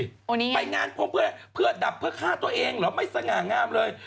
หนีพี่น้าครองบือเพื่อดับเพื่อฆ่าตัวเองเหรอมาไม่สง่างามเลย